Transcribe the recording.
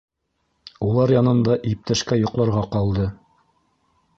Улар янында иптәшкә йоҡларға ҡалды.